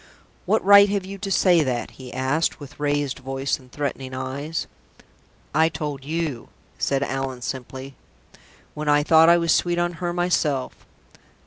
"What right have you to say that?" he asked, with raised voice and threatening eyes. "I told you," said Allan, simply, "when I thought I was sweet on her myself.